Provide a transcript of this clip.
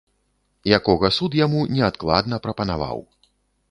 Якога суд яму неадкладна прапанаваў.